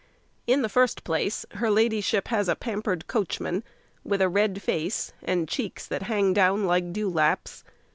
In the first place, her ladyship has a pampered coachman, with a red face, and cheeks that hang down like dewlaps.